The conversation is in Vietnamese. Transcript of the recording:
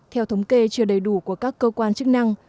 theo thống kê chưa đầy đủ của các cơ quan chức năng